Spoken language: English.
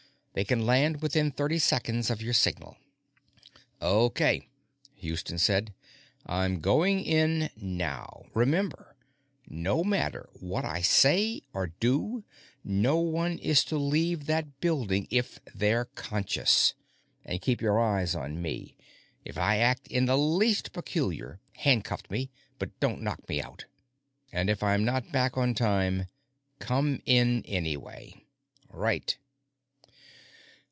They can land within thirty seconds of your signal." "Okay," Houston said; "I'm going in now. Remember no matter what I say or do, no one is to leave that building if they're conscious. And keep your eyes on me; if I act in the least peculiar, handcuff me but don't knock me out. "And if I'm not back on time, come in anyway." "Right."